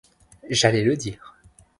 J'allais le dire.